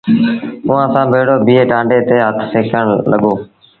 اُئآݩٚ سآݩٚ ڀيڙو بيٚهي ٽآنڊي تي هٿ سيڪڻ لڳو۔